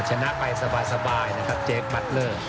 ชนะไปสบายนะครับเจฟมัดเลอร์